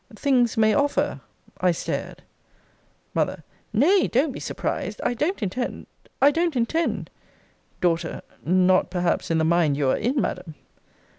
Things may offer I stared. M. Nay, don't be surprised! I don't intend I don't intend D. Not, perhaps, in the mind you are in, Madam.